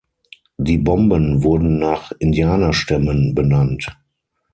Die Bomben wurden nach Indianerstämmen benannt.